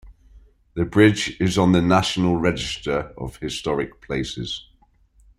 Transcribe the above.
The bridge is on the National Register of Historic Places.